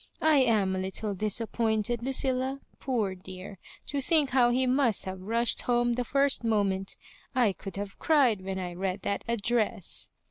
I am a little disappointed, Lu cilla. Poor dearl to think how he must have rushed home the first moment — ^I could have cried when I read that address."